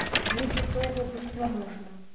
Мне тут доўга быць няможна.